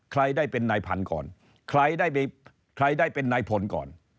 ใครได้เป็นนายผันก่อนใครได้เป็นนายผลก่อน